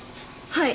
はい。